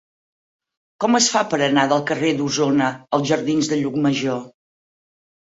Com es fa per anar del carrer d'Osona als jardins de Llucmajor?